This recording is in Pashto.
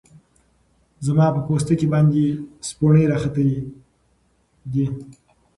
زما په پوستکی باندی سپوڼۍ راختلې دی